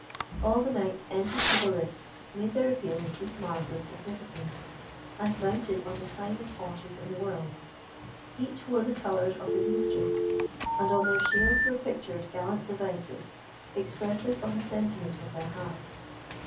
All the knights entered for the lists made their appearance with marvellous magnificence, and mounted on the finest horses in the world. Each wore the colours of his mistress, and on their shields were pictured gallant devices, expressive of the sentiments of their hearts.